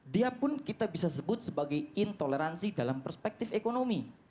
dia pun kita bisa sebut sebagai intoleransi dalam perspektif ekonomi